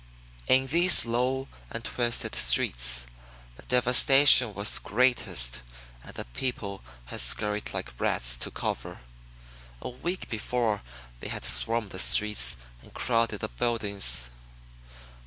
In these low and twisted streets, the devastation was greatest and the people had scurried like rats to cover. A week before they had swarmed the streets and crowded the buildings.